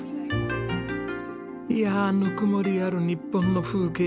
いやぬくもりある日本の風景。